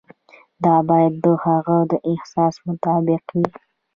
دا باید د هغه د احساس مطابق وي.